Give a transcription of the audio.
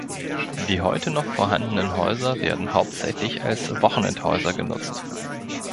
Die heute noch vorhandenen Häuser werden hauptsächlich als Wochenendhäuser genutzt.